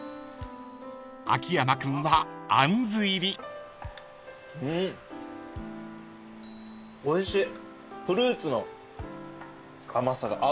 ［秋山君は杏入り］んおいしいフルーツの甘さが合う。